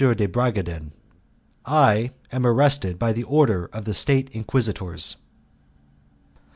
de Bragadin I Am Arrested by Order of the State Inquisitors.